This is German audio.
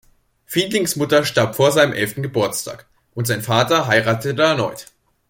Fieldings Mutter starb vor seinem elften Geburtstag, und sein Vater heiratete erneut.